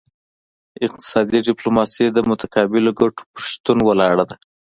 اقتصادي ډیپلوماسي د متقابلو ګټو په شتون ولاړه ده